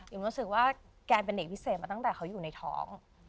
รู้สึกว่าแกเป็นเด็กพิเศษมาตั้งแต่เขาอยู่ในท้อง